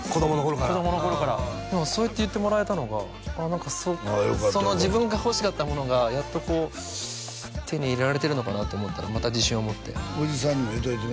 子供の頃からそうやって言ってもらえたのがその自分が欲しかったものがやっと手に入れられてるのかなって思ったらまた自信を持って伯父さんにも言うといてね